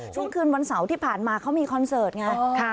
ช่วงคืนวันเสาร์ที่ผ่านมาเขามีคอนเสิร์ตไง